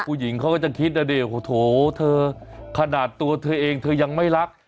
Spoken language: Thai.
ผู้หญิงเขาก็จะคิดนะดิโหเธอขนาดตัวเธอเองเธอยังไม่รัก